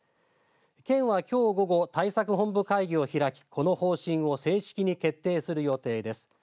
県はきょう午後対策本部会議を開きこの方針を正式に決定する予定です。